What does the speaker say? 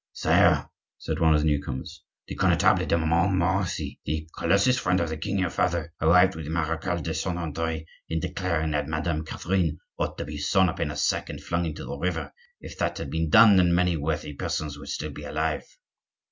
"Sire," said one of the new comers, "the Connetable de Montmorency, the closest friend of the king your father, agreed with the Marechal de Saint Andre in declaring that Madame Catherine ought to be sewn up in a sack and flung into the river. If that had been done then, many worthy persons would still be alive."